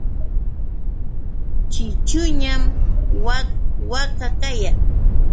Ćhićhuñam wak waka kayan.